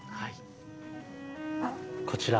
こちら。